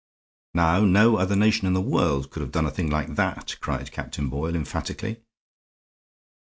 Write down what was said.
"Now, no other nation in the world could have done a thing like that," cried Captain Boyle, emphatically.